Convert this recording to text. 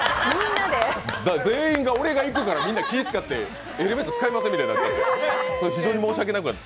全員が、俺が行くからみんな気を遣ってエレベーター使いません、みたいになって非常に申し訳なくなった。